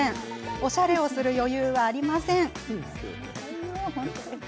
おしゃれをする余裕はありません。